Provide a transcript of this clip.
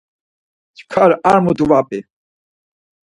Çkar ar mutu va p̌i.